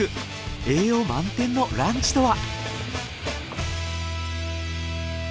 栄養満点のランチとは？